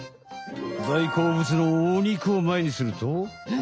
大好物のお肉をまえにすると。